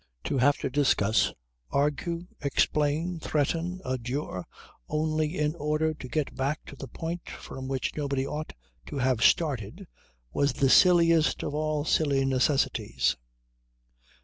To have to discuss, argue, explain, threaten, adjure, only in order to get back to the point from which nobody ought ever to have started, was the silliest of all silly necessities.